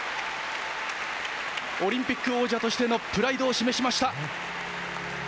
オリンピック王者としてのプライドを示しました。